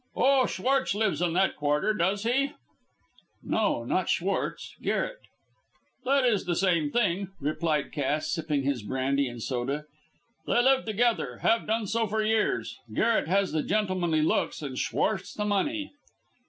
"Oh, Schwartz lives in that quarter, does he?" "No! not Schwartz Garret." "That is the same thing," replied Cass, sipping his brandy and soda; "they live together have done so for years. Garret has the gentlemanly looks, and Schwartz the money."